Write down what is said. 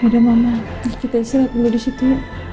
udah mama kita isi lihat dulu di situ